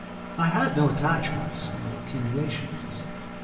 I had no attachments, no accumulations.